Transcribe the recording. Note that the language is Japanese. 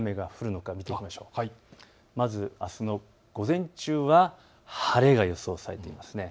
まずあすの午前中は晴れが予想されているんです。